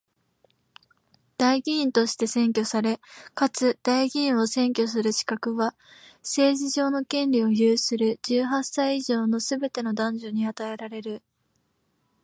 代議員として選挙され、かつ代議員を選挙する資格は、政治上の権利を有する十八歳以上のすべての男女に与えられる。